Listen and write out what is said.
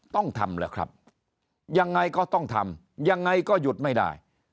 ต้องทำแหละครับยังไงก็ต้องทำยังไงก็หยุดไม่ได้